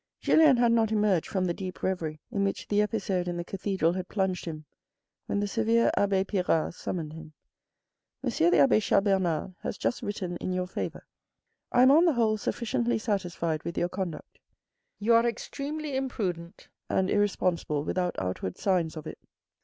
Julien had not emerged from the deep reverie in which the episode in the cathedral had plunged him, when the severe abbe Pirard summoned him. " M. the abbe Chas Bernard has just written in your favour. I am on the whole sufficiently satisfied with your conduct. You are extremely imprudent and irresponsible without outward signs of it.